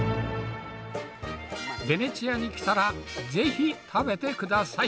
ベネチアに来たらぜひ食べてください。